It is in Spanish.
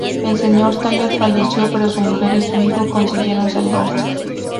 El señor Thayer falleció, pero su mujer y su hijo consiguieron salvarse.